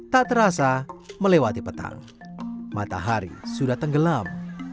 tak terasa melewati petang matahari sudah tenggelam